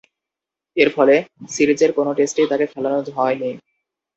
এরফলে, সিরিজের কোন টেস্টেই তাকে খেলানো হয়নি।